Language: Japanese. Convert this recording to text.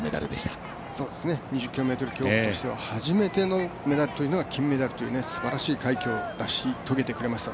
２０ｋｍ競歩としては初めてのメダルが金メダルというすばらしい快挙だし、遂げてくれました。